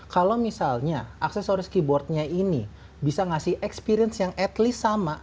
kalau misalnya aksesoris keyboardnya ini bisa ngasih experience yang at least sama